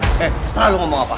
eh terserah lo ngomong apa